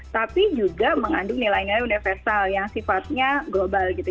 tapi juga mengandung nilai nilai universal yang sifatnya global gitu